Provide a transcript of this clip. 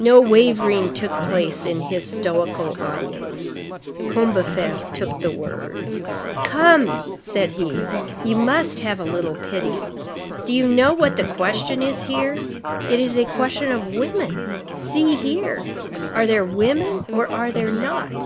No wavering took place in his stoical audience. Combeferre took the word. "Come," said he, "you must have a little pity. Do you know what the question is here? It is a question of women. See here. Are there women or are there not?